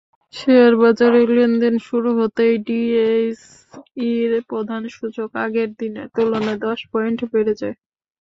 শেয়ারবাজারে লেনদেন শুরু হতেই ডিএসইর প্রধান সূচক আগের দিনের তুলনায় দশ পয়েন্ট বেড়ে যায়।